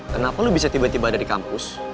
kenapa lo bisa tiba tiba ada di kampus